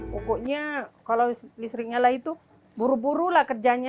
pokoknya kalau listrik nyala itu buru buru lah kerjanya